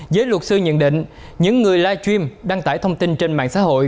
giới luật sư nhận định những người live stream đăng tải thông tin trên mạng xã hội